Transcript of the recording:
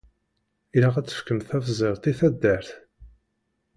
Ilaq ad tefkemt tabzert i taddart.